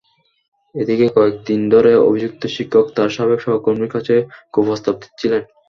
এদিকে কয়েক দিন ধরে অভিযুক্ত শিক্ষক তাঁর সাবেক সহকর্মীর কাছে কুপ্রস্তাব দিচ্ছিলেন।